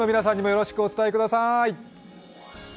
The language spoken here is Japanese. スタッフの皆さんにもよろしくお伝えください。